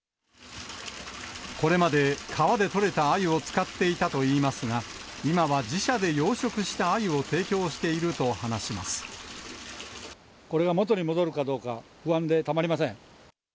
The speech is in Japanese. これまで川で取れたあゆを使っていたといいますが、今は自社で養殖したあゆを提供しているとこれが元に戻るかどうか、不安でたまりません。